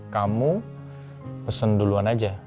kamu pesen duluan aja